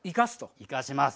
生かします。